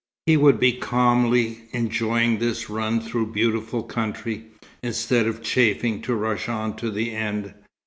He would be calmly enjoying this run through beautiful country, instead of chafing to rush on to the end.